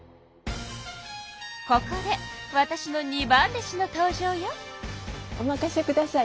ここでわたしの二番弟子の登場よ。